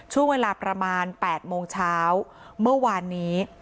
ช่วงเวลาประมาณ๘โมงเช้าเมื่อวานนี้